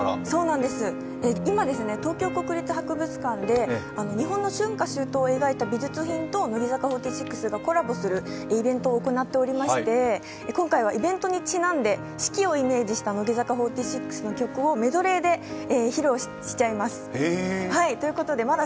ライブ！」、乃木坂４６は今、東京国立博物館で日本の春夏秋冬を描いた美術品と乃木坂４６がコラボするイベントを行っていまして、今回はイベントにちなんで、四季を意識した乃木坂４６の曲をメドレーで歌います。